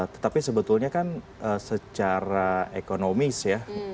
tetapi sebetulnya kan secara ekonomis ya